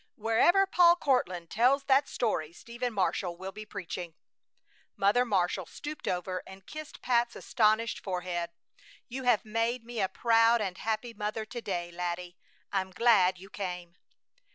Wherever Paul Courtland tells that story Stephen Marshall will be preaching." Mother Marshall stooped over and kissed Pat's astonished forehead. "You have made me a proud and happy mother to day, laddie! I'm glad you came."